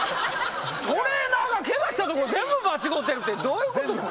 トレーナーがケガしたとこ全部間違うてるってどういうことなん？